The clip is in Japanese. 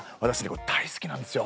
これ大好きなんですよ。